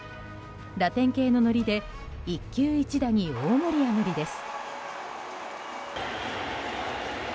ラテン系のノリで一球一打に大盛り上がりです。